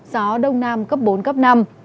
gió đông nam cấp bốn năm